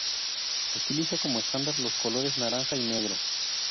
Utiliza como estándar los colores naranja y negro.